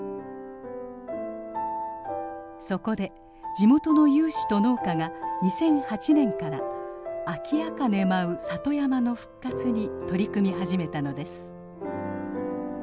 そこで地元の有志と農家が２００８年からアキアカネ舞う里山の復活に取り組み始めたのです。